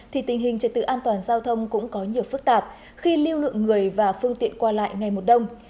trực tự an toàn giao thông cũng có nhiều phức tạp khi lưu lượng người và phương tiện qua lại ngày một đông